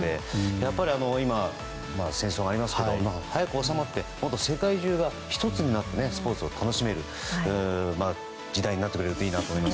やっぱり今、戦争がありますが早く収まって世界中が１つになってスポーツを楽しめる時代になってくれるといいなと思います。